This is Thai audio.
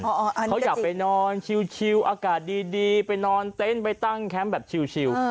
เขาอยากไปนอนชิวอากาศดีไปนอนเต้นไปตั้งแคมป์แบบชิว